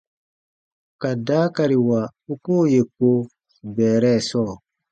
Ka daakariwa u koo yè ko bɛɛrɛ sɔɔ.